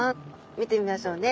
見てみましょうね！